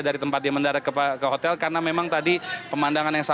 dari tempat yang mendadak ke hotel karena memang tadi pemandangan yang